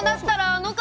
あの方？